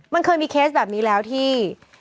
มันเคยมีเคสแบบนี้แล้วที่